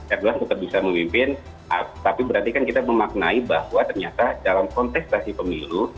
erdog tetap bisa memimpin tapi berarti kan kita memaknai bahwa ternyata dalam kontestasi pemilu